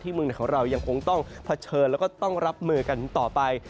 เมืองไหนของเรายังคงต้องเผชิญแล้วก็ต้องรับมือกันต่อไป